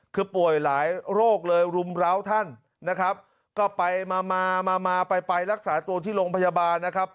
คือป่วยหลายโรคเลยรุมร้าวท่านนะครับก็ไปมามาไปไปรักษาตัวที่โรงพยาบาลนะครับ